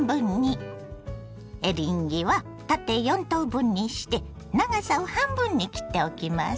エリンギは縦４等分にして長さを半分に切っておきます。